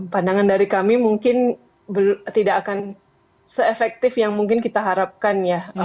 pandangan dari kami mungkin tidak akan se efektif yang mungkin kita harapkan ya